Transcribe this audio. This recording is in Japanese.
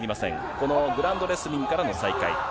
このグラウンドレスリングからの再開。